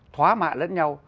thóa mạ lẫn nhau